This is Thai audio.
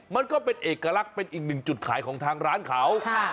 มันก็เป็นเอกลักษณ์เป็นอีกหนึ่งจุดขายของทางร้านเขา